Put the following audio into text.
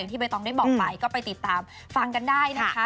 ที่ใบตองได้บอกไปก็ไปติดตามฟังกันได้นะคะ